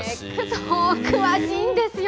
そう、詳しいんですよ。